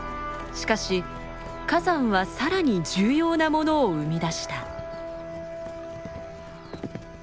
しかし火山はさらに重要なものを生み出した。